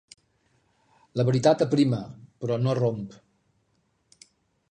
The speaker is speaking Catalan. La veritat aprima, però no romp.